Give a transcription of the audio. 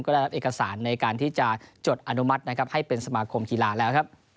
ก็ได้รับเอกสารในการที่จะจดอนุมัตินะครับให้เป็นสมาคมกีฬาแล้วครับ